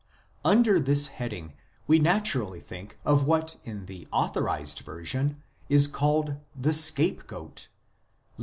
Under this heading we naturally think of what in the Authorized Version is called the " scapegoat " (Lev.